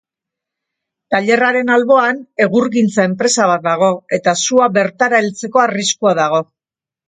Tailerraren alboan egurgintza enpresa bat dago eta sua bertara heltzeko arriskua dago.